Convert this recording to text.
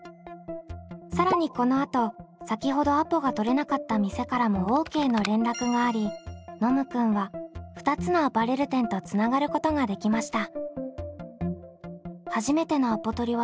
更にこのあと先ほどアポが取れなかった店からもＯＫの連絡がありノムくんは２つのアパレル店とつながることができました。